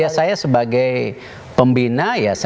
ya saya sebagai pembina ya saya muntah